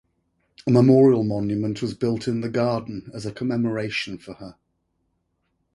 A memorial monument was built in the garden, as a commemoration for her.